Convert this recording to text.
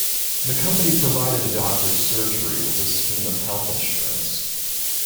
The company provided a doctor's surgery with a scheme of health insurance.